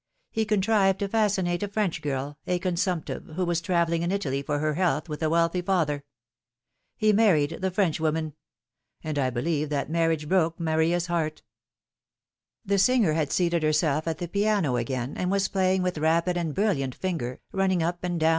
He contrived to fascinate a French girl, a consumptive, who was travelling in Italy for her health, with a wealthy father. He married the Frenchwoman ; and I believe that marriage broke Maria's heart." The singer had seated herself at the piano again, and was playing with rapid and brilliant finger, running np and down 252 The Fatal Three.